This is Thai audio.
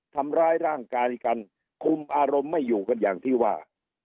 ทำร้ายร่างกายกันคุมอารมณ์ไม่อยู่กันอย่างที่ว่า